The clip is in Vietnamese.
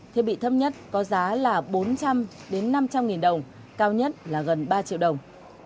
thiết bị thấp nhất có giá là bốn trăm linh năm trăm linh nghìn đồng cao nhất là gần ba triệu đồng